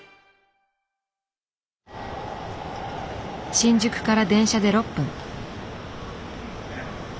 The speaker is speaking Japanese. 新宿から電車で６分。